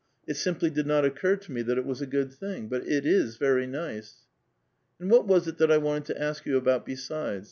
It f^^ply did not occur to me that it was a good thing. But it 18 very nice." ^* And what was it that I wanted to ask you about besides?